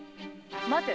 待て。